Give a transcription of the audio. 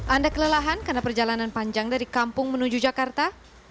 anda kelelahan karena perjalanan panjang dari kampung menuju jakarta